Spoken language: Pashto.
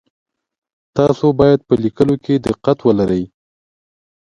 تاسو باید په لیکلو کي دقت ولرئ.